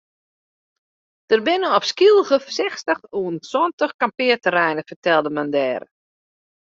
Der binne op Skylge sechstich oant santich kampearterreinen fertelde men dêre.